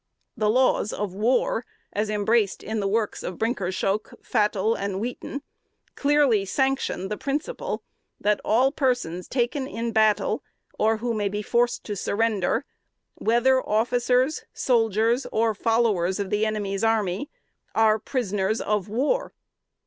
"The laws of war, as embraced in the works of Brynkershoeck, Vattel and Wheaton, clearly sanction the principle, that all persons taken in battle, or who may be forced to surrender, whether officers, soldiers, or followers of the enemy's army, are prisoners of war.